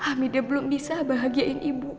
hamidah belum bisa bahagiain ibu